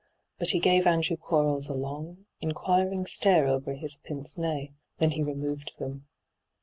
But he gave Andrew Quarles a long, inquiring stare over his pince nez ; then he removed them.